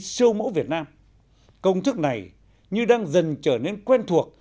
siêu mẫu việt nam công thức này như đang dần trở nên quen thuộc